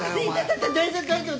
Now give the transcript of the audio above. だ大丈夫大丈夫。